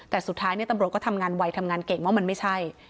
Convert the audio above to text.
แต่สุดท้ายตำรวจก็ทำงานไวทำงานเก่งว่ามันไม่ใช่